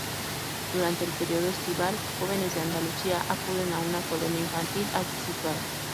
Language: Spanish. Durante el período estival, jóvenes de Andalucía acuden a una colonia infantil allí situada.